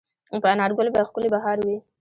په انارګل به ښکلی بهار وي